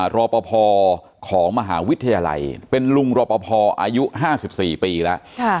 รอปภของมหาวิทยาลัยเป็นลุงรอปภอายุ๕๔ปีแล้ว